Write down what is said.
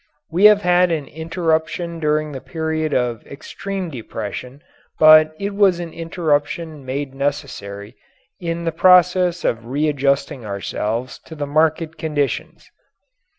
We have had an interruption during the period of extreme depression but it was an interruption made necessary in the process of readjusting ourselves to the market conditions.